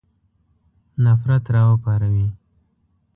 نفرت را وپاروي.